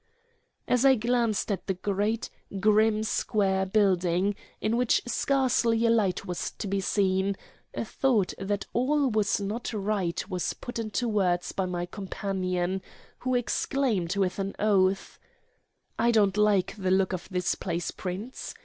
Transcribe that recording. As I glanced at the great, grim, square building, in which scarcely a light was to be seen, a thought that all was not right was put into words by my companion, who exclaimed with an oath: "I don't like the look of this place, Prince.